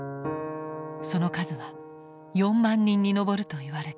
その数は４万人に上るといわれている。